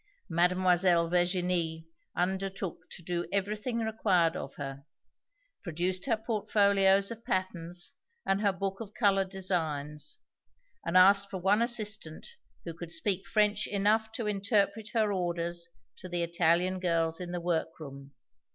Mademoiselle Virginie undertook to do everything required of her, produced her portfolios of patterns and her book of colored designs, and asked for one assistant who could speak French enough to interpret her orders to the Italian girls in the work room.